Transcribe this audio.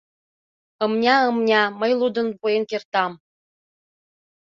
«Ымня-ымня, мый лудын пуэн кертам».